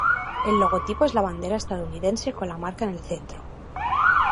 El logotipo es la bandera estadounidense con la marca en el centro.